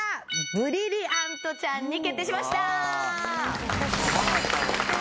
ブリリアントちゃんに決定しました！